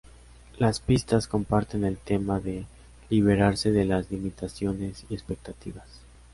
Las pistas comparten el tema de liberarse de las limitaciones y expectativas.